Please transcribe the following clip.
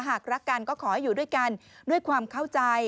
หากรักกันก็ขอให้อยู่ด้วยกันด้วยความเข้าใจ